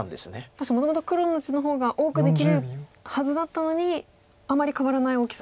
確かにもともと黒の地の方が多くできるはずだったのにあまり変わらない大きさになってると。